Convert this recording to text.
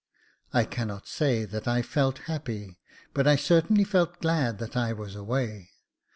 I cannot say that I felt happy, but I certainly felt glad that I was away.